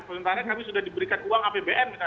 sementara kami sudah diberikan uang apbn misalnya